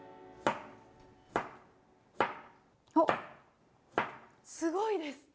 おっ、すごいです。